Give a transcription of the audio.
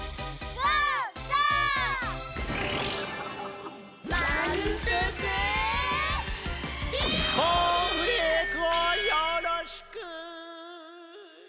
コーンフレークをよろしく。